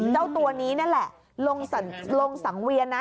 เจ้าตัวนี้นั่นแหละลงสังเวียนนะ